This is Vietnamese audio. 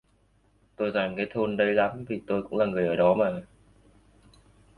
Tôi rành cái thôn đấy lắm vì tôi cũng là người ở đó mà